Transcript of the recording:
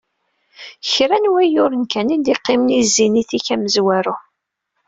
Kra n wayyuren kan, i d-yeqqimen i Zénith-ik amezwaru.